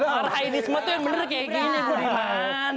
marhainisme itu yang menerik ya budiman